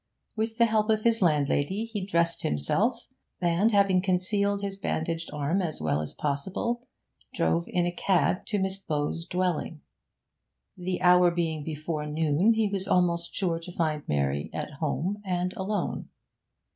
With the help of his landlady he dressed himself, and, having concealed his bandaged arm as well as possible, drove in a cab to Miss Bowes' dwelling. The hour being before noon, he was almost sure to find Mary at home, and alone.